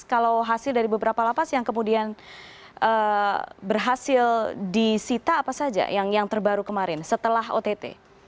kalau hasil dari beberapa lapas yang kemudian berhasil disita apa saja yang terbaru kemarin setelah ott